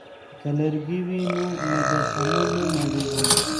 که لرګی وي نو مجسمه نه نړیږي.